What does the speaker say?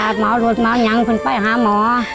ค่ะหมอรวดหมอหยังคุณไปหาหมอ